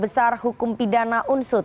berbesar hukum pidana unsut